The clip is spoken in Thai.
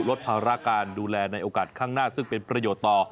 ลดภาระการดูแลในโอกาสข้างหน้าซึ่งเป็นประโยชน์ต่อ